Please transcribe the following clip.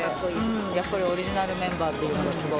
やっぱりオリジナルメンバーというのがすごい。